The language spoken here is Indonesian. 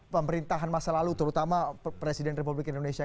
pemerintahan masa lalu terutama presiden republik indonesia